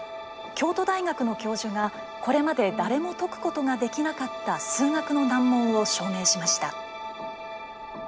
京都大学の教授がこれまで誰も解くことができなかった数学の難問を証明しました」。